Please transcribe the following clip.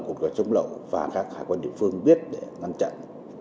quốc gia trung lậu và các hải quan địa phương biết để ngăn chặn